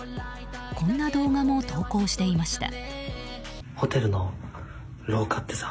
こんな動画も投稿していました。